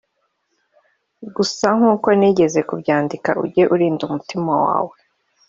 gusa nkuko nigeze kubyandika ujye urinda umutima wawe,